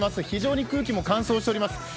非常に空気も乾燥しております。